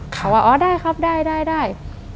เขาว่าอ๋อได้ครับได้ได้